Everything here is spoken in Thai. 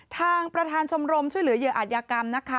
ทางประธานชมรมช่วยเหลือเหยื่ออาจยากรรมนะคะ